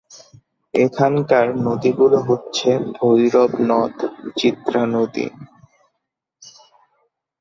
এখানকার নদীগুলো হচ্ছে ভৈরব নদ, চিত্রা নদী।